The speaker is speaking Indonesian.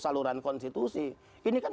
saluran konstitusi ini kan